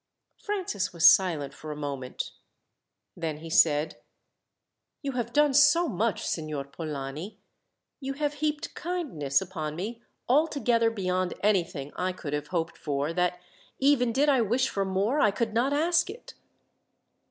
Francis was silent for a moment; then he said: "You have done so much, Signor Polani. You have heaped kindness upon me, altogether beyond anything I could have hoped for, that, even did I wish for more, I could not ask it."